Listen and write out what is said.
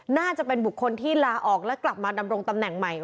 น่าจะเป็นบุคคลที่ลาออกและกลับมาดำรงตำแหน่งใหม่